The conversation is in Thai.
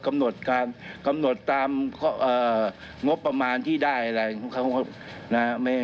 กำหนดการตามก็เอ่องบประมาณที่ได้อะไรของฮะ